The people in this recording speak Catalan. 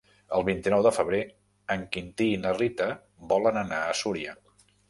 El vint-i-nou de febrer en Quintí i na Rita volen anar a Súria.